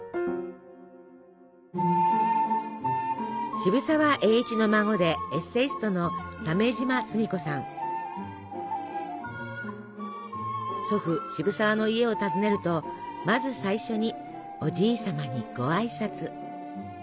渋沢栄一の孫でエッセイストの祖父渋沢の家を訪ねるとまず最初におじい様にご挨拶。